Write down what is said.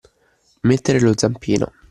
Mettere lo zampino.